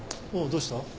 どうした？